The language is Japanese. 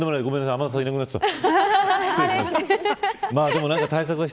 天達さんいなくなっちゃった。